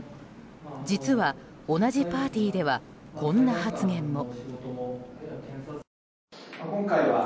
実は同じパーティーではこんな発言も。